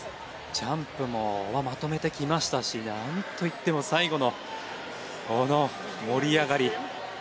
ジャンプはまとめてきましたしなんといっても最後のこの盛り上がり。